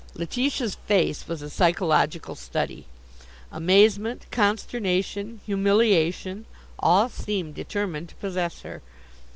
Letitia's face was a psychological study. Amazement, consternation, humiliation all seemed determined to possess her.